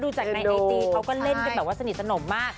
ดูจากในไอจีเขาก็เล่นกันแบบว่าสนิทสนมมาก